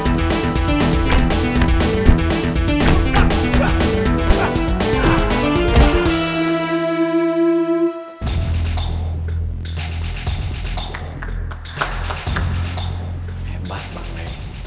gue selalu selalu dengan kehebatan mana da